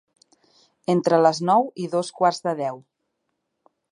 Entre les nou i dos quarts de deu.